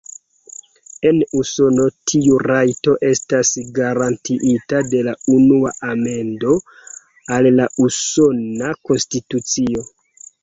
En Usono tiu rajto estas garantiita de la Unua Amendo al la Usona Konstitucio.